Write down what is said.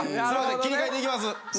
切り替えていきます！